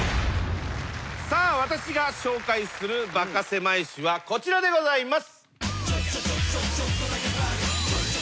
さあ私が紹介するバカせまい史はこちらでございます。